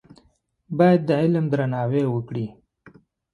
باید د علم درناوی وکړې.